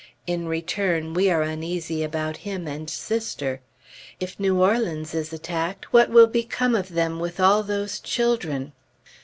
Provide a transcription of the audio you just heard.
In return we are uneasy about him and Sister. If New Orleans is attacked, what will become of them with all those children?